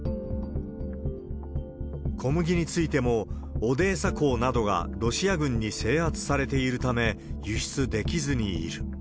小麦についても、オデーサ港などがロシア軍に制圧されているため、輸出できずにいる。